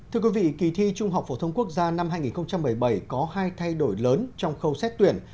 thưa quý vị kỳ thi trung học phổ thông quốc gia năm hai nghìn một mươi bảy có hai thay đổi lớn trong khâu xét tuyển